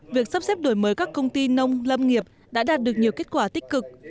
việc sắp xếp đổi mới các công ty nông lâm nghiệp đã đạt được nhiều kết quả tích cực